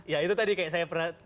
ya itu tadi kayak saya